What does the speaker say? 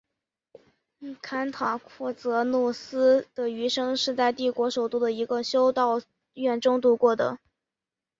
坎塔库泽努斯的余生是在帝国首都的一个修道院中度过的。